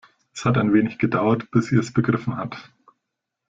Es hat ein wenig gedauert, bis sie es begriffen hat.